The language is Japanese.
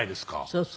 そうそう。